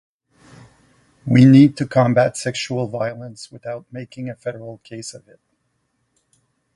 We need to combat sexual violence without making a federal case of it.